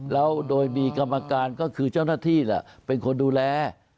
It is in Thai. แล้วโดยมีกรรมการก็คือเจ้าหน้าที่เป็นคนดูแล